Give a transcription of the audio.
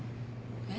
えっ。